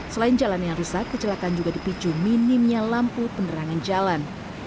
selain jalan yang rusak kecelakaan juga dipicu minimnya lampu penerangan jalan